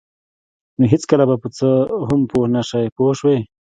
نو هېڅکله به په څه هم پوه نشئ پوه شوې!.